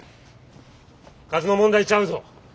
数の問題ちゃうぞ。